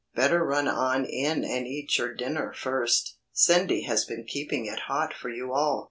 Better run on in and eat your dinner first. Cindy has been keeping it hot for you all."